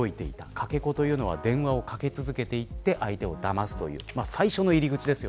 かけ子というのは電話をかけ続けて相手をだますという最初の入り口です。